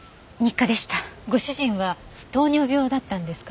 ご主人は糖尿病だったんですか？